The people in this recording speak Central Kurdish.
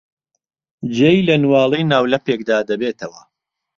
جێی لە نواڵەی ناولەپێکدا دەبێتەوە.